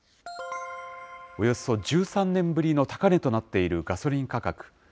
およそ１３年ぶりの高値となっているガソリン価格。